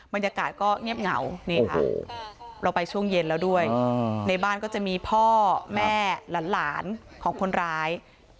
บรรยากาศก็เงียบเหงานี่ค่ะเราไปช่วงเย็นแล้วด้วยในบ้านก็จะมีพ่อแม่หลานของคนร้าย